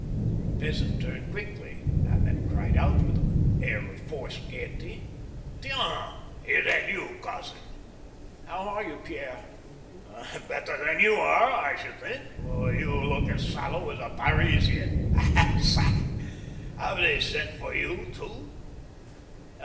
The peasant turned quickly, frowned, and then cried out, with an air of forced gayety: " Tiensl Is that you cousin ?"" How are you, Pierre ?"" Better than you are, I should think, for you look as sallow as a Parisian. ... Ah^ ga / Have they sent for you, too